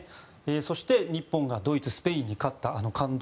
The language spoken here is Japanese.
そして、日本がドイツスペインに勝ったあの感動